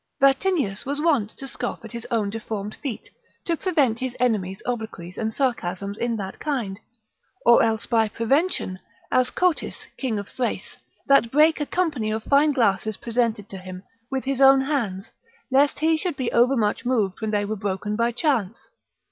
Vatinius was wont to scoff at his own deformed feet, to prevent his enemies' obloquies and sarcasms in that kind; or else by prevention, as Cotys, king of Thrace, that brake a company of fine glasses presented to him, with his own hands, lest he should be overmuch moved when they were broken by chance.